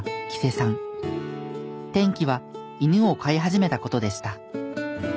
転機は犬を飼い始めた事でした。